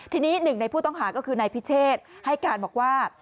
ทีนี้หนึ่งในผู้ต้องหาก็คือนายพิเชษให้การบอกว่า